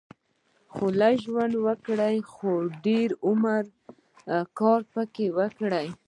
لږ ژوند وګړهٔ خو د دېر عمر کار پکښي وکړهٔ